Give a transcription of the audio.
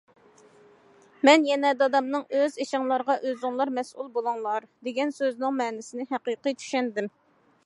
مەن يەنە دادامنىڭ« ئۆز ئىشىڭلارغا ئۆزۈڭلار مەسئۇل بولۇڭلار» دېگەن سۆزىنىڭ مەنىسىنى ھەقىقىي چۈشەندىم.